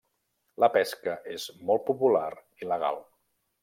La pesca és molt popular i legal.